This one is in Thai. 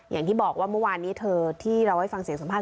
อย่างที่บอกว่าเมื่อวานนี้เธอที่เราให้ฟังเสียงสัมภาษณ